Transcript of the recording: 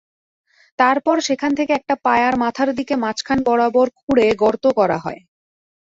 তারপর সেখান থেকে একটা পায়ার মাথার দিকে মাঝখান বরাবর খুঁড়ে গর্ত করা হয়।